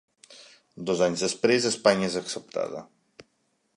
Dos anys després, Espanya és acceptada.